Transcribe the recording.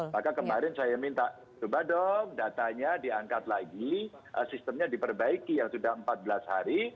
maka kemarin saya minta coba dong datanya diangkat lagi sistemnya diperbaiki yang sudah empat belas hari